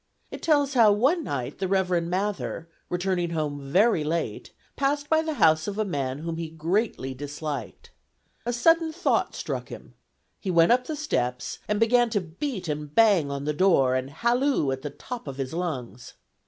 It tells how one night the Reverend Mather, returning home very late, passed by the house of a man whom he greatly disliked. A sudden thought struck him; he went up the steps and began to beat and bang on the door and halloo at the top of his lungs.